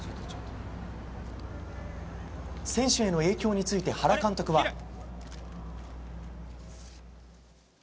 選手への影響について原監督は。